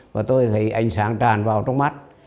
và tôi thấy ánh sáng tràn vào trong mắt